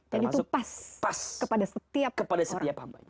dan itu pas kepada setiap orang